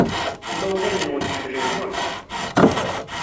Imawlan-nwen ḥemmlen-ken.